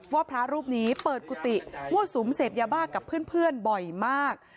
พระรูปนี้เปิดกุฏิมั่วสุมเสพยาบ้ากับเพื่อนบ่อยมาก